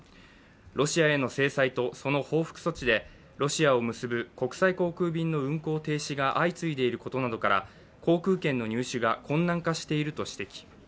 ロシアへの制裁とその報復措置でロシアを結ぶ国際航空便の運航停止が相次いでいることから航空券の入手が困難化していると指摘。